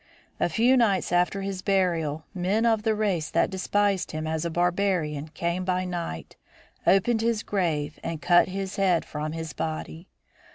A few nights after his burial men of the race that despised him as a barbarian came by night, opened his grave and cut his head from his body.